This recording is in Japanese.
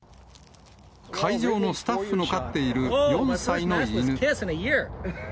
会場のスタッフの飼っている４歳の犬。